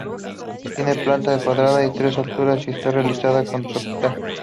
Tiene planta cuadrada y tres alturas y está realizada con tapial.